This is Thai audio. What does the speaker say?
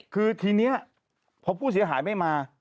คือทีนี้พอผู้เสียหายไม่มา